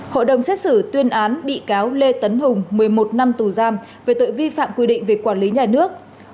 hội đồng xét xử tuyên án bị cáo lê tấn hùng một mươi một năm tù giam về tội vi phạm quy định về quản lý nhà nước